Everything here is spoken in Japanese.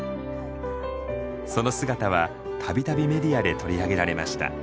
その姿は度々メディアで取り上げられました。